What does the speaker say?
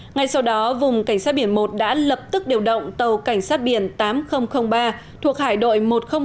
ngay sau đó vùng cảnh sát biển một đã lập tức điều động tàu cảnh sát biển tám nghìn ba thuộc hải đội một trăm linh hai